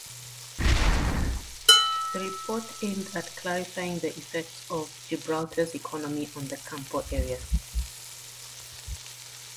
The report aimed at clarifying the effects of Gibraltar's economy on the Campo area.